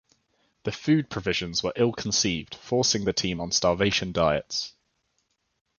The food provisions were ill-conceived forcing the team on starvation diets.